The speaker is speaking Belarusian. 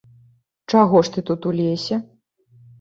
Чаго ж ты тут у лесе?